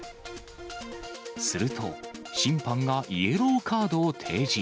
すると、審判がイエローカードを提示。